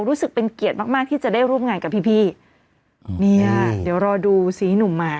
รู้สึกเป็นเกียรติมากมากที่จะได้ร่วมงานกับพี่พี่เนี่ยเดี๋ยวรอดูสีหนุ่มมา